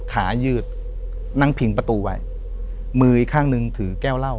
ขายืดนั่งพิงประตูไว้มืออีกข้างหนึ่งถือแก้วเหล้า